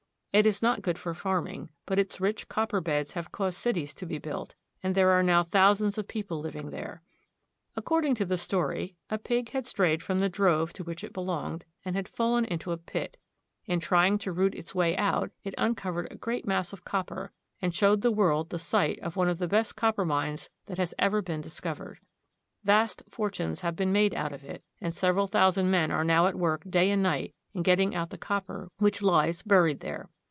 It is not good for farm ing, but its rich copper beds have caused cities to be built, and there are now thousands of people living there. According to the story, a pig had strayed from the drove to which it belonged, and had fallen into a pit. In trying The Copper Regions. THE COPPER REGIONS, 1 83 to root its way out, it uncovered a great mass of copper, and showed the world the site of one of the best copper mines that has ever been discovered. Vast fortunes have been made out of it, and several thousand men are now at work day and night in getting out the copper which lies buried there.